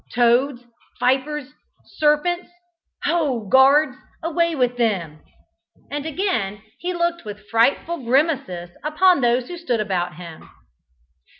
Toads, vipers, serpents! Ho, guards! away with them!" and again he looked with frightful grimaces upon those who stood about him.